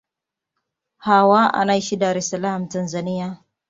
Hawa anaishi Dar es Salaam, Tanzania.